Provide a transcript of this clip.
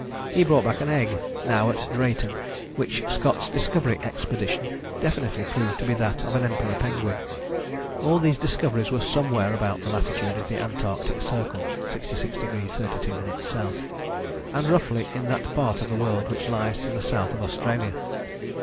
He brought back an egg now at Drayton which Scott's Discovery Expedition definitely proved to be that of an Emperor penguin. All these discoveries were somewhere about the latitude of the Antarctic Circle (66° 32´ S.) and roughly in that part of the world which lies to the south of Australia.